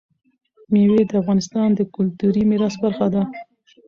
مېوې د افغانستان د کلتوري میراث برخه ده.